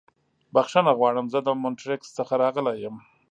بښنه غواړم. زه د مونټریکس څخه راغلی یم.